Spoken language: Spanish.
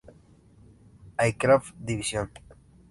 Aircraft Division.